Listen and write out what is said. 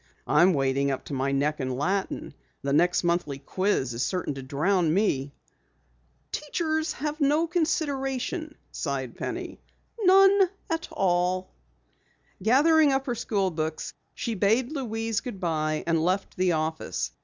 "I'm wading up to my neck in Latin, and the next monthly quiz is certain to drown me." "Teachers have no consideration," sighed Penny. "None at all." Gathering up her school books, she bade Louise good bye and left the office.